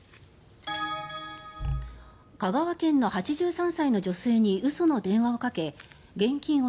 香川県の８３歳の女性に嘘の電話をかけ現金